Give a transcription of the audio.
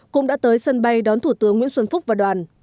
cũng đã tới sân bay đón thủ tướng nguyễn xuân phúc và đoàn